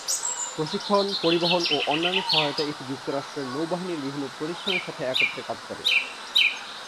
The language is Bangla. প্রশিক্ষণ, পরিবহন ও অন্যান্য সহায়তায় এটি যুক্তরাষ্ট্রের নৌবাহিনীর বিভিন্ন প্রতিষ্ঠানের সাথে একত্রে কাজ করে।